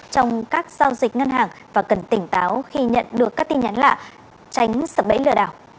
trong các giao dịch ngân hàng và cần tỉnh táo khi nhận được các tin nhắn lạ tránh sập bẫy lừa đảo